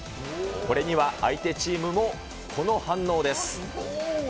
これには相手チームも、この反応です。